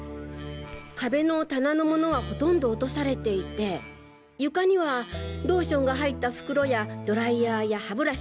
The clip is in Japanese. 壁の棚の物はほとんど落とされていて床にはローションが入った袋やドライヤーやハブラシ